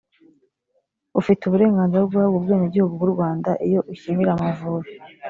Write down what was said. ufite uburenganzira bwo guhabwa ubwenegihugu bw u rwanda iyo ukinira amavubi